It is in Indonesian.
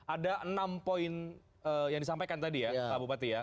ada enam poin yang disampaikan tadi ya pak bupati ya